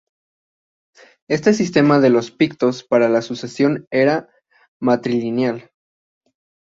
Este sistema de los pictos para la sucesión era matrilineal.